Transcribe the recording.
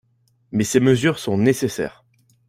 Mais ces mesures sont nécessaires.